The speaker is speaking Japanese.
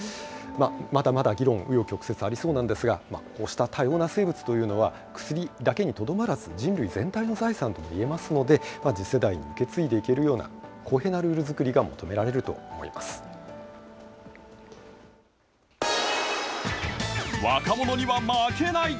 まだまだ議論、う余曲折ありそうなんですが、こうした多様な生物というのは、薬だけにとどまらず、人類全体の財産ともいえますので、次世代に受け継いでいけるような、公平なルール作りが求められると若者には負けない。